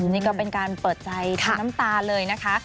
นี่ก็เป็นการเปิดใจทั้งน้ำตาเลยนะคะ